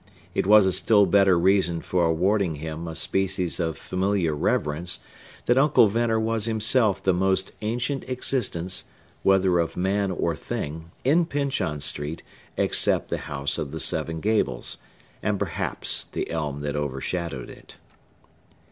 It was a still better reason for awarding him a species of familiar reverence that Uncle Venner was himself the most ancient existence, whether of man or thing, in Pyncheon Street, except the House of the Seven Gables, and perhaps the elm that overshadowed it.